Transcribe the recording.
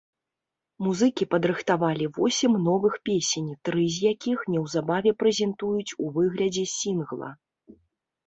Музыкі падрыхтавалі восем новых песень, тры з якіх неўзабаве прэзентуюць у выглядзе сінгла.